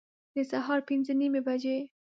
د سهار پنځه نیمي بجي